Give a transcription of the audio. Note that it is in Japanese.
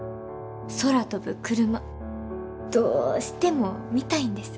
空飛ぶクルマどうしても見たいんです。